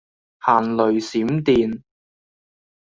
行雷閃電